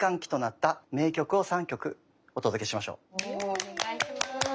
お願いします。